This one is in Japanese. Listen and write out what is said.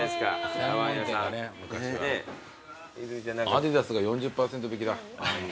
アディダスが４０％引きだ。